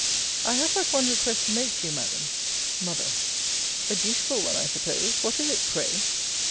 I have but one request to make to you, Madam. M. A dutiful one, I suppose. What is it, pray?